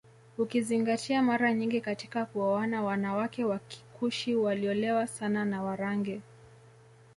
Ukizingatia mara nyingi katika kuoana wanawake wa Kikushi waliolewa sana na Warangi